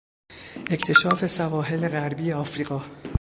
اکتشاف سواحل غربی افریقا